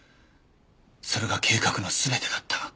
それが計画の全てだった。